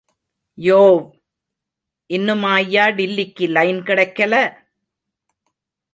யோவ்... இன்னுமாய்யா... டில்லிக்கு line கிடைக்கல?